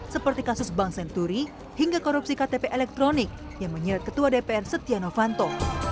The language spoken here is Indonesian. seperti kasus bank senturi hingga korupsi ktp elektronik yang menyeret ketua dpr setia novanto